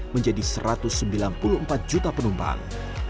menjadi satu ratus sembilan puluh empat juta penumpang